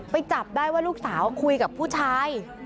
จับได้ว่าลูกสาวคุยกับผู้ชาย